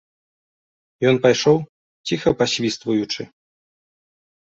Ён пайшоў, ціха пасвістваючы.